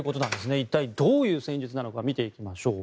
一体、どういう戦術なのか見ていきましょう。